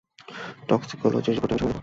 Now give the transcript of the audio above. Toxicology রিপোর্টটা আমি সামলে নেবো।